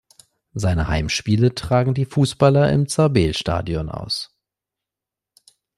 Seine Heimspiele tragen die Fußballer im Zabeel-Stadion aus.